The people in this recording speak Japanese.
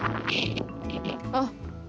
あっ。